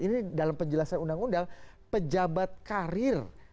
ini dalam penjelasan undang undang pejabat karir